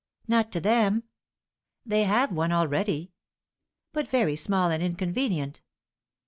"Not to them." "They have one already." "But very small and inconvenient."